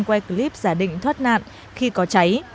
quay clip giả định thoát nạn khi có cháy